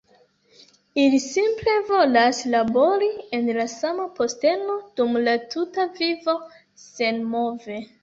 Ili simple volas labori en la sama posteno dum la tuta vivo, senmove.